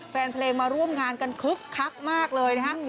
แฟนเพลงมาร่วมงานกันคึกคักมากเลยนะฮะ